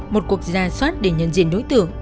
một cuộc ra soát để nhận diện đối tượng